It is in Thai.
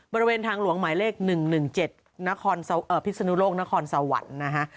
บริเวณทางหลวงหมายเลข๑๑๗พิศนุโลกนครสวรรค์นะฮะ